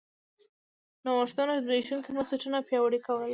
نوښتونو زبېښونکي بنسټونه پیاوړي کول